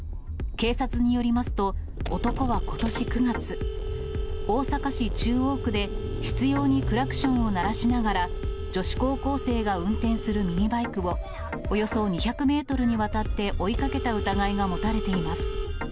警察によりますと、男はことし９月、大阪市中央区で執ようにクラクションを鳴らしながら、女子高校生が運転するミニバイクを、およそ２００メートルにわたって追いかけた疑いが持たれています。